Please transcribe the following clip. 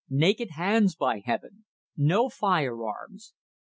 Naked hands, by heaven! No firearms.